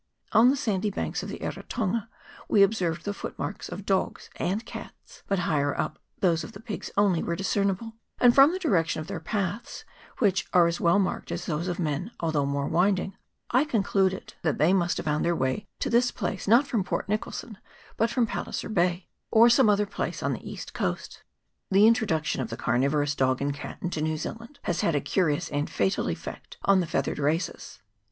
On the sandy banks of the Eritonga we observed the footmarks of dogs and cats, but higher up those of the. pigs only were discernible; and from the direction of their paths, which are as well marked as those of men, although more winding, I concluded that they must have found their way to this place not from Port Nicholson, but from Pal 86 THE VALLEY OF [PART I. liser Bay, or some other place on the east coast. The introduction of the carnivorous dog and cat into New Zealand has had a curious and fatal effect on the feathered races.